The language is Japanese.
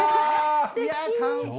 いやぁ、完璧。